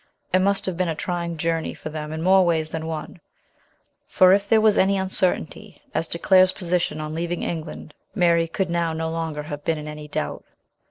It must have been a trying journey for them in more ways than one, for if there was any uncertainty as to Claire's position on leaving England, Mary could now no longer have been in any doubt.